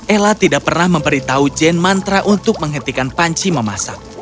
ella tidak pernah memberitahu jane mantra untuk menghentikan panci memasak